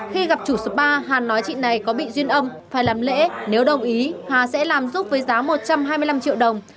khi gặp chủ số ba hàn nói chị này có bị duyên âm phải làm lễ nếu đồng ý hà sẽ làm giúp với giá một trăm hai mươi năm triệu đồng